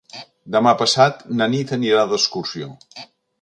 Demà passat na Nit anirà d'excursió.